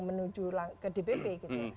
menuju ke dpp gitu